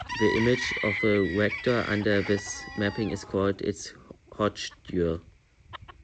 The image of a -vector under this mapping is called its "Hodge dual".